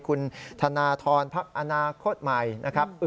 คุณธนทรภักดิ์อนาคตใหม่นะครับ